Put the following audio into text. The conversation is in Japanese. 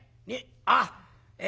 あっえ